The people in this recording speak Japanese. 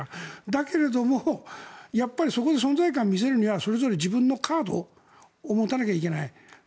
だけど、そこで存在感を見せるにはそれぞれ自分のカードを持たないといけない。